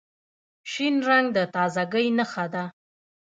شین رنګ د تازګۍ نښه ده.